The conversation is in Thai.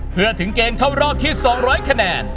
เพื่อถึงเกณฑ์เข้ารอบที่๒๐๐คะแนน